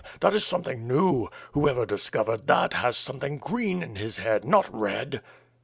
Hm! That is something new. Who ever discovered that has something green in his head, not red!"